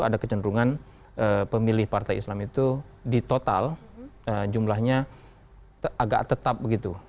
ada kecenderungan pemilih partai islam itu di total jumlahnya agak tetap begitu